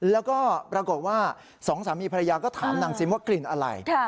แล้วก็ปรากฏว่าสองสามีภรรยาก็ถามนางซิมว่ากลิ่นอะไร